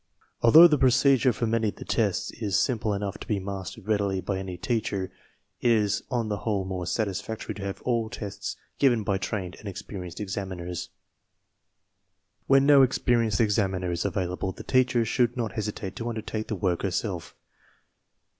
Al though the procedure for many of the tests is simple ; enough to be plastered readily by any teacher, it is on the whole more satisfactory to have all tests given by 24 TESTS AND SCHOOL REORGANIZATION trained and experienced examiners. When no experi enced examiner is available, the teacher should not hesitate to undertake the work herself.